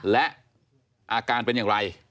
และอาการเป็นอย่างไร